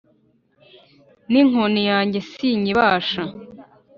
n'inkoni yanjye sinyibasha